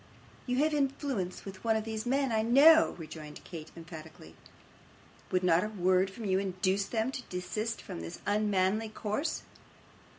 'You have influence with one of these men, I KNOW,' rejoined Kate, emphatically. 'Would not a word from you induce them to desist from this unmanly course?